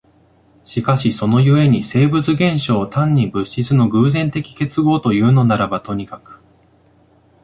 しかしその故に生物現象を単に物質の偶然的結合というのならばとにかく、